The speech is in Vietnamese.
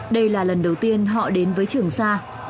đây là lần đầu tiên họ đến với trường sa